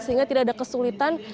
sehingga tidak ada kesulitan